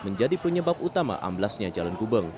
menjadi penyebab utama amblasnya jalan gubeng